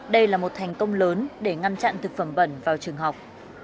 đây là một thành công lớn để ngăn chặn thực phẩm bẩn vào trường học